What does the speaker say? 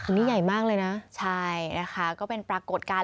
อันนี้ใหญ่มากเลยนะใช่นะคะก็เป็นปรากฏการณ์